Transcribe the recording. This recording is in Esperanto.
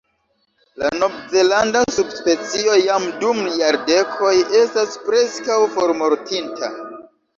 La Nov-Zelanda subspecio jam dum jardekoj estas preskaŭ formortinta.